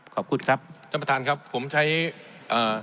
ขอบคุณครับท่านประธานครับผมใช้เอ่อ